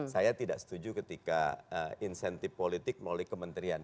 saya tidak setuju ketika insentif politik melalui kementerian